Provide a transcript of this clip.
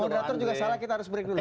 moderator juga salah kita harus break dulu